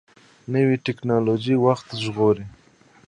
نوې ټکنالوژي وخت ژغوري